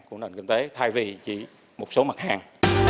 của nền kinh tế thay vì chỉ một số mặt hàng